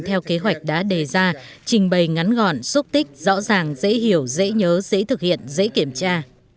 theo kế hoạch đã đề ra trình bày ngắn gọn xúc tích rõ ràng dễ hiểu dễ nhớ dễ thực hiện dễ kiểm tra